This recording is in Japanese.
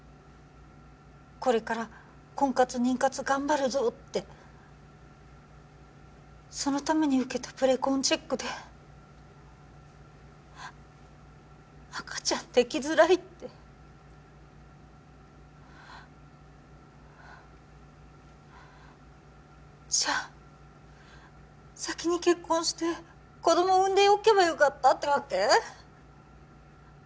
これから婚活妊活頑張るぞってそのために受けたプレコンチェックで赤ちゃんできづらいってじゃ先に結婚して子供産んでおけばよかったってわけ？